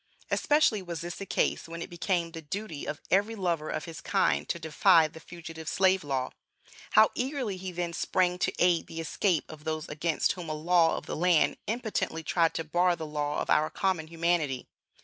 Especially was this the case when it became the duty of every lover of his kind to defy the Fugitive Slave Law. How eagerly he then sprang to aid the escape of those against whom a law of the land impotently tried to bar the law of our common humanity!